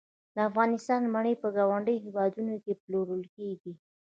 د افغانستان مڼې په ګاونډیو هیوادونو کې پلورل کیږي